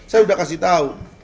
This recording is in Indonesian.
saya udah kasih tahu